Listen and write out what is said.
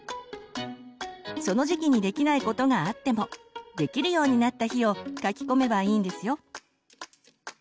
その時期にできないことがあってもできるようになった日を書き込めばいいんですよ。